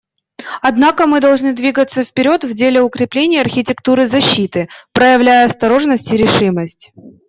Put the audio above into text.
Однако мы должны двигаться вперед в деле укрепления архитектуры защиты, проявляя осторожность и решимость.